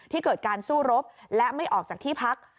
ที่เกิดการสู้รบและไม่ออกจากที่พัก